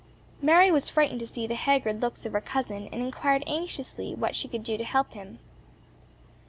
Mary was frightened to see the haggard looks of her cousin, and inquired anxiously what she could do to help him.